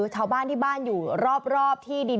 ชาวบ้านที่บ้านอยู่รอบที่ดิน